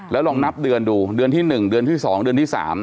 แล้วลองนับเดือนดูเดือนที่๑เดือนที่๒เดือนที่๓